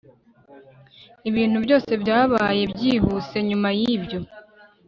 Ibintu byose byabaye byihuse nyuma yibyo